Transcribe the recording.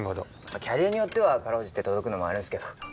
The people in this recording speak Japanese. キャリアによってはかろうじて届くのもあるんすけど。